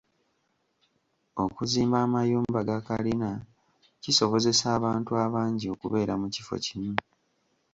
Okuzimba amayumba ga kalina kisobozesa abantu abangi okubeera mu kifo kimu.